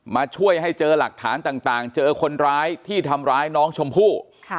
มาช่วยให้เจอหลักฐานต่างเจอคนร้ายที่ทำร้ายน้องชมพู่